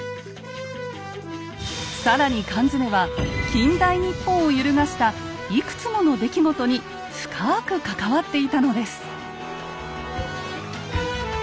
更に缶詰は近代日本を揺るがしたいくつもの出来事に深く関わっていたのです。